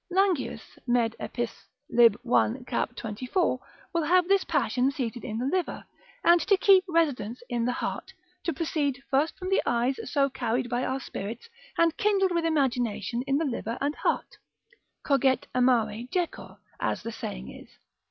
Langius, med. epist. lib. 1. cap. 24. will have this passion seated in the liver, and to keep residence in the heart, to proceed first from the eyes so carried by our spirits, and kindled with imagination in the liver and heart; coget amare jecur, as the saying is.